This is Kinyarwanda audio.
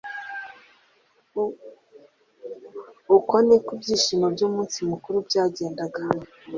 Uko niko ibyishimo by'umunsi mukuru byagendaga.